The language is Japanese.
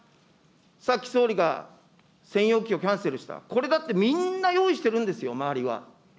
さっき総理が専用機をキャンセルした、これだってみんな用意してるんですよ、周りは。